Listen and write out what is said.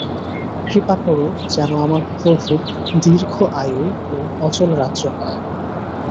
কৃপা কর যেন আমার প্রভুর দীর্ঘ আয়ু ও অচল রাজ্য হয়।